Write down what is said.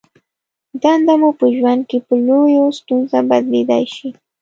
دنده مو په ژوند کې په لویې ستونزه بدلېدای شي.